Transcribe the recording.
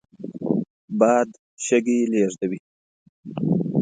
باد شګې لېږدوي